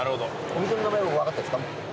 お店の名前は分かってんですか？